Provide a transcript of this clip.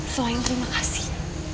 selalu terima kasih